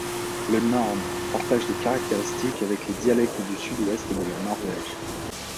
Le norne partage des caractéristiques avec les dialectes du sud-ouest de la Norvège.